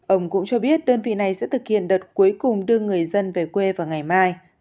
ông cũng cho biết đơn vị này sẽ thực hiện đợt cuối cùng đưa người dân về quê vào ngày mai